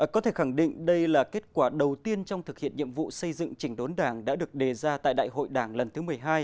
có thể khẳng định đây là kết quả đầu tiên trong thực hiện nhiệm vụ xây dựng chỉnh đốn đảng đã được đề ra tại đại hội đảng lần thứ một mươi hai